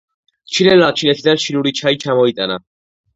ჩინელმა ჩინეთიდან ჩინური ჩაი ჩამოიტანა